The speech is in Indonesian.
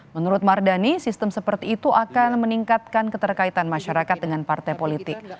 menurut mardani sistem seperti itu akan meningkatkan keterkaitan masyarakat dengan partai politik